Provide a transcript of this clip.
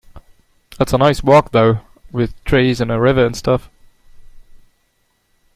It's a nice walk though, with trees and a river and stuff.